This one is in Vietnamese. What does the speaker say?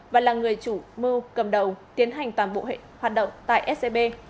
và là người chủ mưu cầm đầu tiến hành toàn bộ hoạt động tại scb